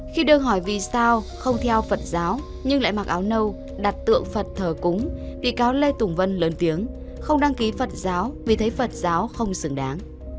khi đương hỏi vì sao không theo phật giáo nhưng lại mặc áo nâu đặt tượng phật thờ cúng bị cáo lê tùng vân lớn tiếng không đăng ký phật giáo vì thấy phật giáo không xứng đáng